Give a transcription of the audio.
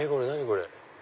これ。